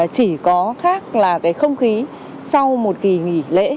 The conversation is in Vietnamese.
chỉ có khác là cái không khí sau một kỳ nghỉ lễ